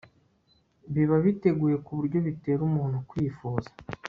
biba biteguye ku buryo bitera umuntu kwifuza